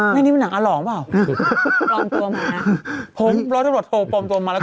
นี่มันหนังอาหล่อเปล่าปลอมตัวมาผมร้อยตำรวจโทปลอมตัวมาแล้ว